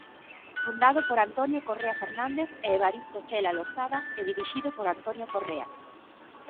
Fundado por Antonio Correa Fernández e Evaristo Cela Losada e dirixido por Antonio Correa.